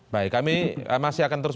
baik kami masih akan terus